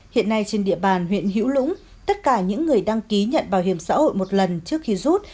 hiện nay trên địa bàn huyện hữu lũng tất cả những người đăng ký nhận bảo hiểm xã hội một lần trước khi rút